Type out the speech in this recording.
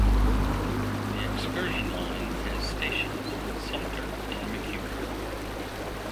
The excursion line has stations in Sumpter and McEwen.